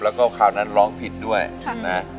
แล้วก็คราวนั้นร้องผิดด้วยนะ